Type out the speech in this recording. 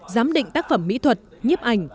giám định tác phẩm mỹ thuật nhiếp ảnh